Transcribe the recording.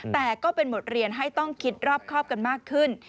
แต่ก็เป็นบทเรียนให้ต้องคิดรอบครอบกันมากขึ้น